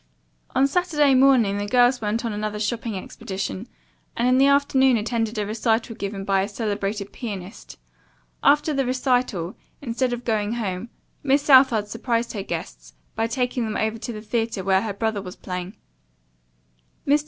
On Saturday morning the girls went on another shopping expedition, and in the afternoon attended a recital given by a celebrated pianist. After the recital, instead of going home, Miss Southard surprised her guests by taking them over to the theatre where her brother was playing. Mr.